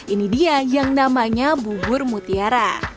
ini dia yang namanya bubur mutiara